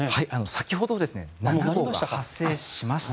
先ほど７号が発生しました。